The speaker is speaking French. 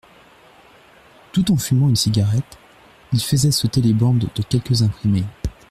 Tout en fumant une cigarette, il faisait sauter les bandes de quelques imprimés.